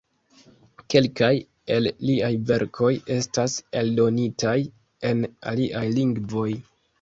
Kelkaj el liaj verkoj estas eldonitaj en aliaj lingvoj.